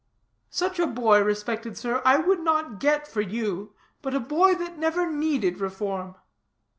"Such a boy, respected sir, I would not get for you, but a boy that never needed reform.